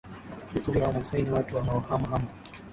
Kihistoria Wamaasai ni watu wanaohama hama